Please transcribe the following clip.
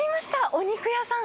お肉屋さん。